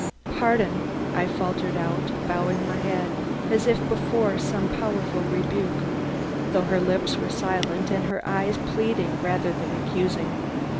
"Pardon," I faltered out, bowing my head as if before some powerful rebuke, though her lips were silent and her eyes pleading rather than accusing.